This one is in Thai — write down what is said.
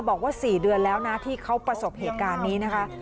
บอกว่า๔เดือนแล้วนะที่เขาประสบเหตุการณ์นี้นะคะ